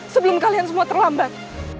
sebelum kalian semua terlambat